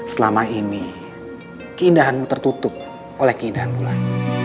selama ini keindahanmu tertutup oleh keindahan bulan